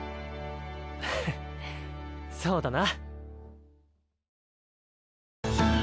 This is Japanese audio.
フッそうだな。